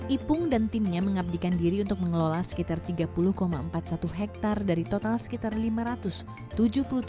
ipung dan timnya mengabdikan diri untuk mengelola sekitar tiga puluh empat puluh satu hektar dari total sekitar lima hektare